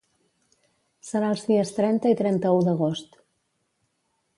Serà els dies trenta i trenta-u d’agost.